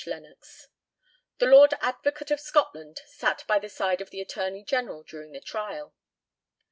Lennox. The Lord Advocate of Scotland sat by the side of the Attorney General during the trial.